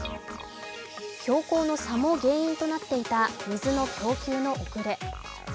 標高の差も原因となっていた水の供給の遅れ。